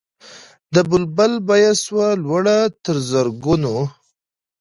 د بلبل بیه سوه لوړه تر زرګونو